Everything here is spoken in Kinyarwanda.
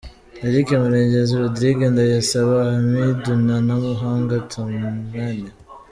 Eric, Murengezi Rodrigue, Ndayisaba Hamidu na ntamuhanga Tumaine .